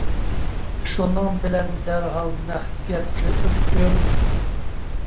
شۇنىڭ بىلەن دەرھال نەق گەپكە ئۆتتۈم.